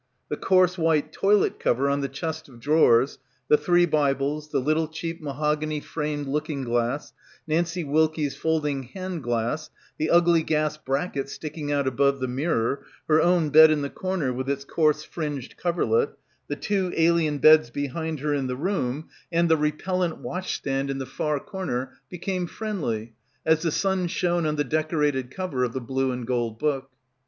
The coarse white toilet cover on the chest of drawers, the three Bibles, the little cheap mahogany framed looking glass, Nancie Wilkie's folding hand glass, the ugly gas bracket sticking out above the mirror, her own bed in the corner with its coarse fringed coverlet, the two alien beds behind her in the room, and 7 8 BACKWATER the repellent washstand in the far comer became friendly as the sun shone on the decorated cover of the blue and gold book.